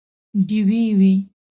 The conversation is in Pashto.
ډیوې وي